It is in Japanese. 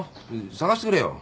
捜してくれよ。